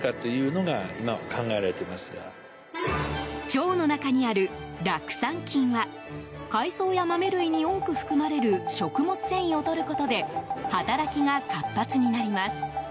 腸の中にある酪酸菌は海藻や豆類に多く含まれる食物繊維を取ることで働きが活発になります。